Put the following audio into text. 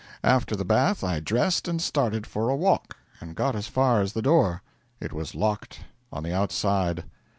After the bath I dressed and started for a walk, and got as far as the door. It was locked on the outside.